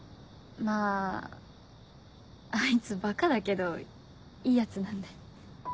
まぁあいつバカだけどいいヤツなんで。